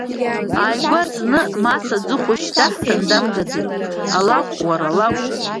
Ааигәа зны Мас аӡыхәашь даҳҭан, дамгаӡеит алакә, уара, алакә!